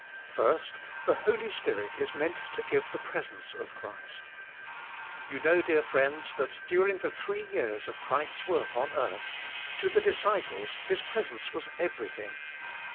1. The Holy Spirit is meant to give the presence of Christ. You know, dear friends, that during the three years of Christ's work on earth, to the dis ciples, His presence was everything.